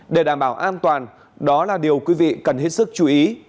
để đảm bảo an toàn đó là điều quý vị cần hết sức chú ý